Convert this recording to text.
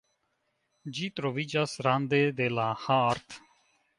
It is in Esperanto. Ĝi troviĝas rande de la Haardt.